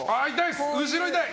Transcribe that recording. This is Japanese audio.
後ろ、痛い。